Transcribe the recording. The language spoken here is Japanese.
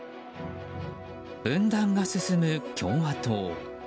分断が進む共和党。